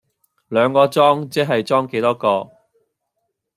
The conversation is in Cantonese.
兩個裝即係裝幾多個